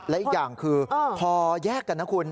และอีกอย่างคือพอแยกกันนะคุณ